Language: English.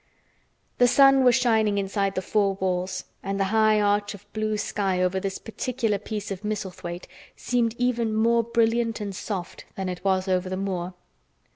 The sun was shining inside the four walls and the high arch of blue sky over this particular piece of Misselthwaite seemed even more brilliant and soft than it was over the moor.